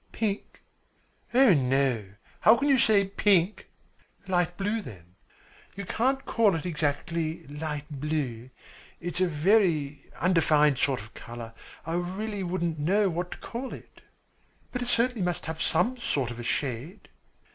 "Pink?" "Oh, no. How can you say pink!" "Light blue, then?" "You can't call it exactly light blue. It is a very undefined sort of colour. I really wouldn't know what to call it." "But it certainly must have some sort of a shade?"